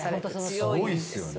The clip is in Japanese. すごいっすよね。